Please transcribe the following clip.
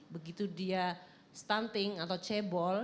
begitu dia stunting atau cebol